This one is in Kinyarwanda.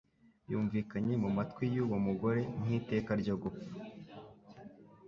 yumvikanye mu matwi y'uwo mugore nk'iteka ryo gupfa.